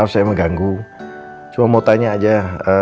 harus sayang semuanya orang